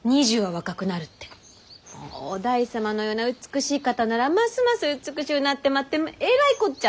於大様のような美しい方ならますます美しゅうなってまってえらいこっちゃ！